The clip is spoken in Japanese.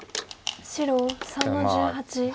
白３の十八。